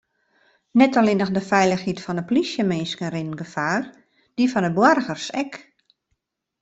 Net allinnich de feilichheid fan de plysjeminsken rint gefaar, dy fan boargers ek.